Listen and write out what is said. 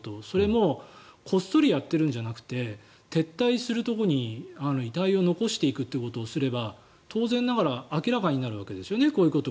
それもこっそりやってるんじゃなくて撤退するところに遺体を残していくということをすれば当然ながら明らかになるわけですよね。